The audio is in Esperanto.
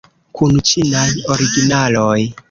Kun ĉinaj originaloj.